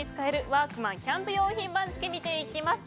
ワークマンキャンプ用品番付を見ていきます。